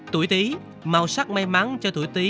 tuổi tí màu sắc may mắn cho tuổi tí